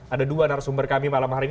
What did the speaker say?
ada dua narasumber kami malam hari ini